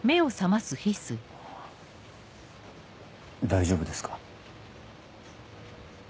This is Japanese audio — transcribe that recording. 大丈夫ですか？